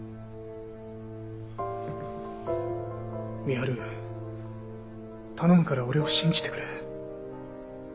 深春頼むから俺を信じてくれ。